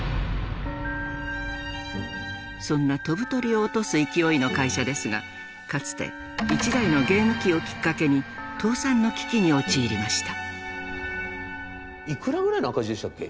そんな「飛ぶ鳥を落とす勢い」の会社ですがかつて１台のゲーム機をきっかけに倒産の危機に陥りました。